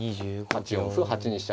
８四歩８二飛車。